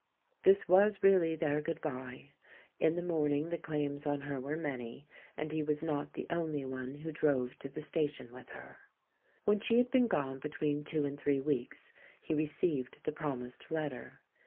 This was really their "good bye" — in the morning the claims on her were many, and he was not the only one who drove to the station with her. When she had been gone between two and three weeks, he received the promised letter.